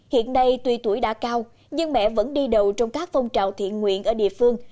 hiện nay tuy tuổi đã cao nhưng mẹ vẫn đi đầu trong các phong trào thiện nguyện ở địa phương